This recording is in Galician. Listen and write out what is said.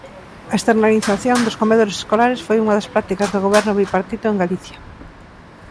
A externalización dos comedores escolares foi unha das prácticas do Goberno bipartito en Galicia.